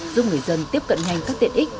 giúp người dân tiếp cận nhanh các tiện ích